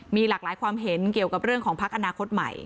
มีหลากหลายความเห็นเกี่ยวกับเรื่องของพักอนาคตใหม่